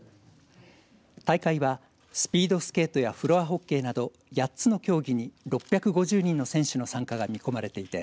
大会はスピードスケートやフロアホッケーなど８つの競技に６５０人の選手の参加が見込まれていて